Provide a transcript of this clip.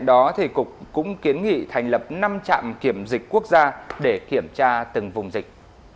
với năm trạm kiểm dịch quốc gia để kiểm tra từng vùng dịch